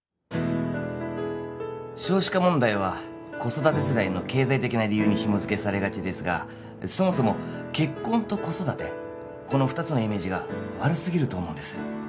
少子化問題は子育て世代の経済的な理由にひもづけされがちですがそもそも結婚と子育てこの二つのイメージが悪すぎると思うんです